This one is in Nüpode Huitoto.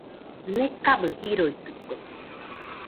Nekabɨ jiroitɨkue.